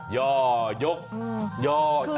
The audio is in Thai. ย่อยกย่อ